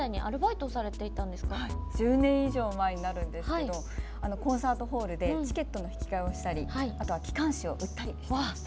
はい１０年以上前になるんですけどコンサートホールでチケットの引き換えをしたりあとは機関誌を売ったりしていました。